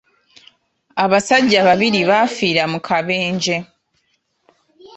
Abasajja babiri baafiira mu kabenje.